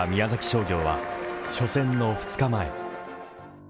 商業は初戦の２日前。